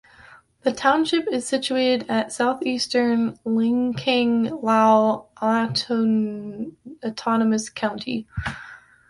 The township is situated at southeastern Lancang Lahu Autonomous County.